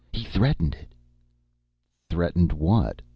"He threatened it!" "Threatened what?"